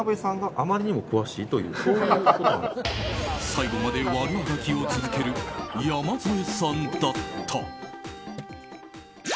最後まで悪あがきを続ける山添さんだった。